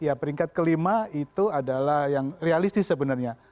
ya peringkat kelima itu adalah yang realistis sebenarnya